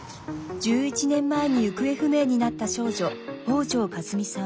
「１１年前に行方不明になった少女北條かすみさん。